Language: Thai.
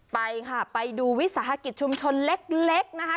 ไปค่ะไปดูวิสาหกิจชุมชนเล็กนะคะ